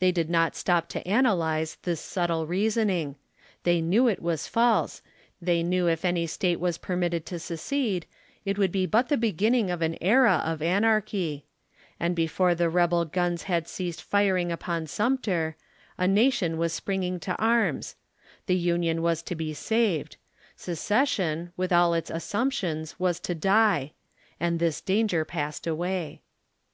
They did not stop to analyze this subtle reasoning. They knew it was false, they knew if any state was permitted to secede, it would be but the beginning of an era of anar chy ; and before the rebel guns had ceased firing upon Sumter, a nation was springing to arms; the Union was to be saved ; secession, with all its assumptions, was to die ŌĆö and this danger passed, away.